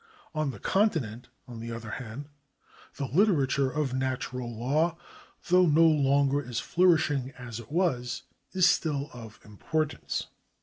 On the Continent, on the other hand, the literature of natural law, though no longer as flourishing as it was, is still of importance.